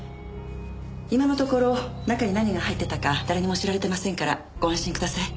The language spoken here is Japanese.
今のところ中に何が入ってたか誰にも知られてませんからご安心ください。